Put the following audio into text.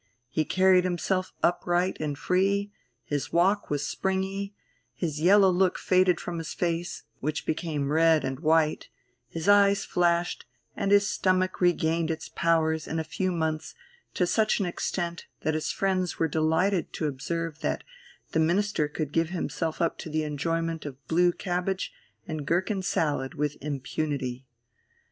He carried himself upright and free, his walk was springy, the yellow look faded from his face, which became red and white, his eyes flashed, and his stomach regained its powers in a few months to such an extent that his friends were delighted to observe that the Minister could give himself up to the enjoyment of blue cabbage and gherkin salad with impunity.